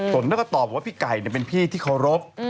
สนแล้วก็ตอบว่าพี่ไก่เนี่ยเป็นพี่ที่เคารพ